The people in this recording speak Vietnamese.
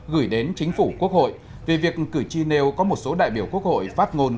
gửi đến chính phủ quốc hội về việc cử tri nêu có một số đại biểu quốc hội phát ngôn